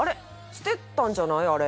捨てたんじゃないあれ」